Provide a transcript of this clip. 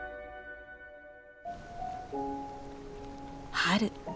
春。